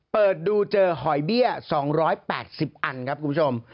เปิดดูเจอหอยเบี้ย๒๘๐อันครับคุณผู้ชม